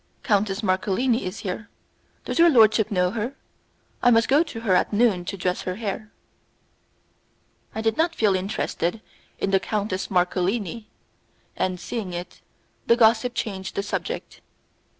Countess Marcolini is here; does your lordship know her? I must go to her at noon to dress her hair." I did not feel interested in the Countess Marcolini, and, seeing it, the gossip changed the subject.